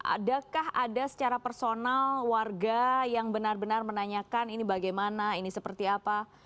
adakah ada secara personal warga yang benar benar menanyakan ini bagaimana ini seperti apa